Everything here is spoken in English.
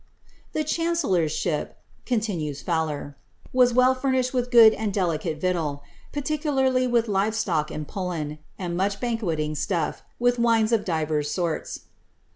'*^ The chancellor's ship," continues Fowler, ^ was well furnished with good and delicate victual, particularly with live stock and pullen^ and nuch banqueting stufi^ with wines of divers sorts."